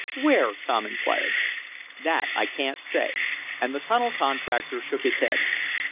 "Where?" Tom inquired. "That I can't say," and the tunnel contractor shook his head.